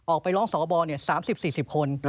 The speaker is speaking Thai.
ออกไปร้องสวบ๓๐๔๐คน